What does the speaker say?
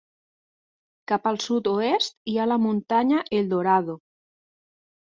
Cap al sud-oest hi ha la muntanya Eldorado.